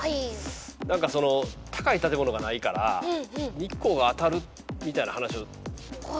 何かその高い建物がないから日光が当たるみたいな話を聞いたことがあって。